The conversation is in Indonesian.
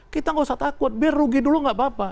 kita nggak usah takut biar rugi dulu nggak apa apa